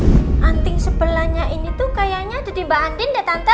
kalau kiki enggak salah anting sebelahnya ini tuh kayaknya ada di mbak andin deh tante